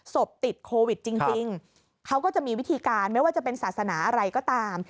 ติดโควิดจริงเขาก็จะมีวิธีการไม่ว่าจะเป็นศาสนาอะไรก็ตาม